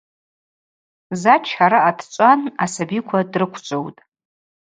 Зач араъа дчӏван асабиква дрыквчӏвыутӏ.